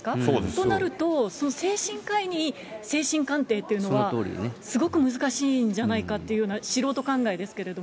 となると、精神科医に精神鑑定というのは、すごく難しいんじゃないかっていうような、素人考えですけど。